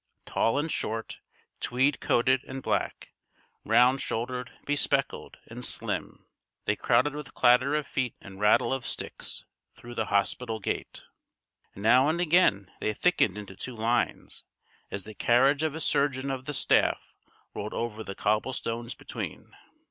Tall and short, tweed coated and black, round shouldered, bespectacled, and slim, they crowded with clatter of feet and rattle of sticks through the hospital gate. Now and again they thickened into two lines, as the carriage of a surgeon of the staff rolled over the cobblestones between.